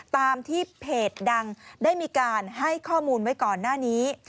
ตามที่เพจดังได้มีการให้ข้อมูลไว้ก่อนหน้านี้